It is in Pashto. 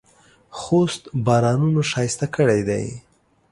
خوست بارانونو ښایسته کړی دی.